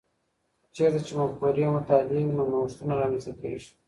چیرته چي مفکورې مطالعې وي، نو نوښتونه رامنځته کیږي؟